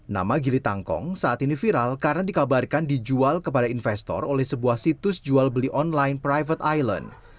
nama gili tangkong saat ini viral karena dikabarkan dijual kepada investor oleh sebuah situs jual beli online private island